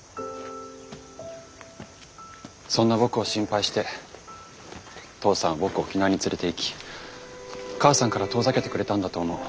そんな僕を心配して父さんは僕を沖縄に連れていき母さんから遠ざけてくれたんだと思う。